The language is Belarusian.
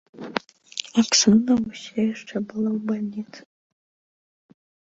Аксана ўсё яшчэ была ў бальніцы.